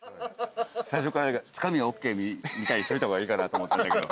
最初からつかみはＯＫみたいにしといた方がいいかなと思ったんだけど。